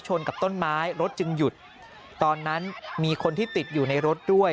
กับต้นไม้รถจึงหยุดตอนนั้นมีคนที่ติดอยู่ในรถด้วย